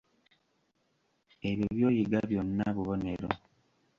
Ebyo by'oyiga byonna bubonero.